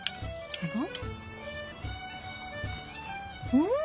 うん！